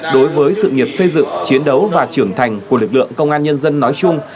đối với sự nghiệp xây dựng chiến đấu và trưởng thành của lực lượng công an nhân dân nói chung